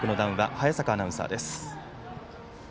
早坂アナウンサーです。